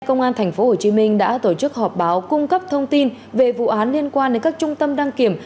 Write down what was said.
công an tp hcm đã tổ chức họp báo cung cấp thông tin về vụ án liên quan đến các trung tâm đăng kiểm